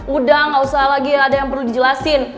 udah gak usah lagi ada yang perlu dijelasin